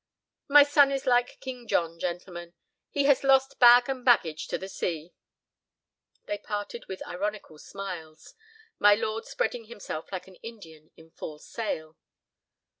My son is like King John, gentlemen—he has lost bag and baggage to the sea." They parted with ironical smiles, my lord spreading himself like an Indian in full sail.